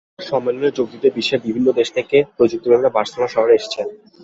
সম্মেলনে যোগ দিতে বিশ্বের বিভিন্ন দেশ থেকে প্রযুক্তিপ্রেমীরা বার্সেলোনা শহরে এসেছেন।